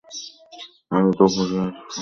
আরো ডুবুরি আসবে।